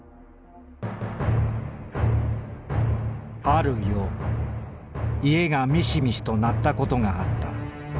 「ある夜家がミシミシと鳴ったことがあった。